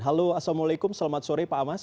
halo assalamualaikum selamat sore pak amas